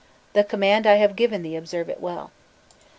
The command I have given thee observe it well.